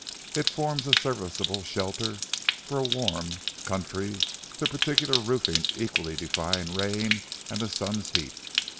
It forms a serviceable shelter for a warm country, the peculiar roofing equally defying rain and the sun's heat.